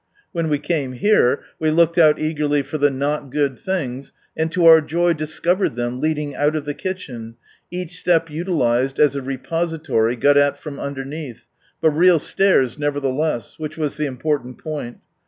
When we came here, we looked out eagerly for the " not good things," and to our joy discovered them, leading out of the kitchen, each step utilized as a reposi tory got at from underneath, but rea! stairs nevertheless, which was the important point.